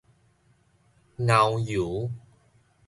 藕油